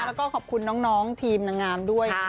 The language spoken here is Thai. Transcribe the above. แล้วก็ขอบคุณน้องทีมนางงามด้วย